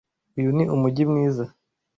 Uyu ni umujyi mwiza.